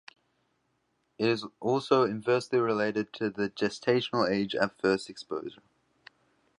It is also inversely related to the gestational age at first exposure.